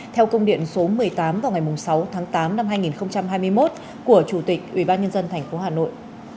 theo công điện số một mươi tám vào ngày sáu tháng tám năm hai nghìn hai mươi một của chủ tịch ubnd tp hà nội